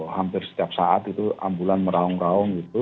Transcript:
hampir setiap saat itu ambulans merahong rahong gitu